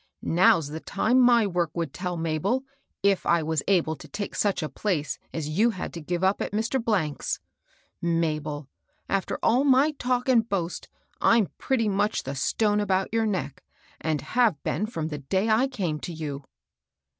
" Now's the time my work would tell, Mabel, if I was able to take such a place as you had to give up at Mr. 's. Mabel I after all my talk and boast, I'm pretty much the stone about your neck, and have been from the day I came to you."